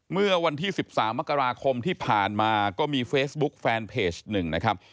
เมื่อวันที่๑๓มกราคมที่ผ่านมาก็มีเฟซบุ๊กแฟนเพจหนึ่งนะครับ